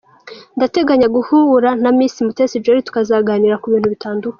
Ndateganya guhura na Miss Mutesi Jolly tukazaganira ku bintu bitandukanye.